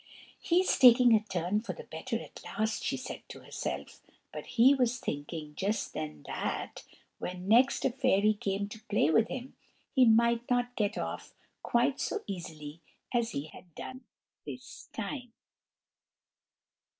"He's taking a turn for the better at last!" she said to herself; but he was thinking just then that, when next a fairy came to play with him, he might not get off quite so easily as he had done this time.